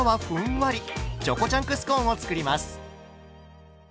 チョコチャンクスコーンを作ります。